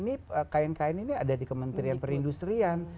ini kain kain ini ada di kementerian perindustrian